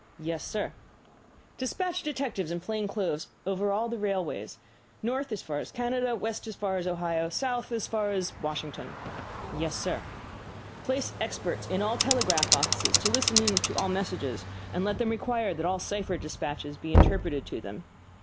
"Yes, sir." "Despatch detectives in plain clothes over all the railways, north as far as Canada, west as far as Ohio, south as far as Washington." "Yes, sir." "Place experts in all the telegraph offices to listen to all messages; and let them require that all cipher despatches be interpreted to them."